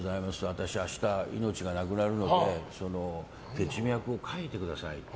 私、明日命がなくなるので血脈を書いてください。